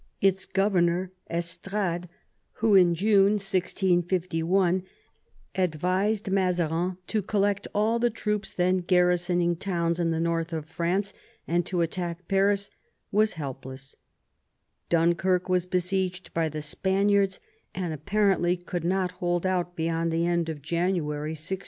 Its governor Estrades, who in June 1651 advised Mazarin to collect all the troops then garrisoning towns in the north of France and to attack Paris, was helpless; Dunkirk was besieged by the Spaniards and apparently could not hold out beyond the end of January 1652.